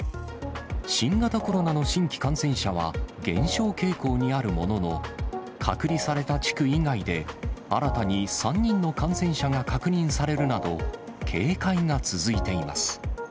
新型コロナの新規感染者は減少傾向にあるものの、隔離された地区以外で、新たに３人の感染者が確認されるなど、警戒が続いています。